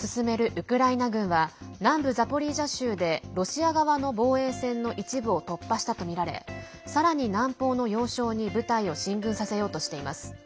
ウクライナ軍は南部ザポリージャ州でロシア側の防衛線の一部を突破したとみられさらに南方の要衝に部隊を進軍させようとしています。